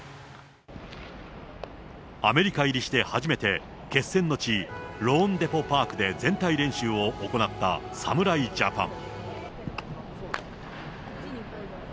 アメリカ入りして初めて、決戦の地、ローンデポ・パークで全体練習を行った侍ジャパン。